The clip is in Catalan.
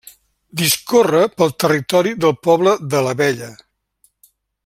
Discorre pel territori del poble de l'Abella.